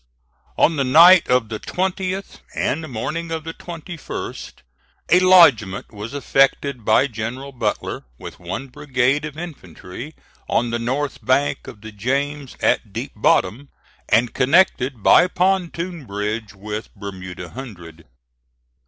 On the night of the 20th and morning of the 21st a lodgment was effected by General Butler, with one brigade of infantry, on the north bank of the James, at Deep Bottom, and connected by pontoon bridge with Bermuda Hundred.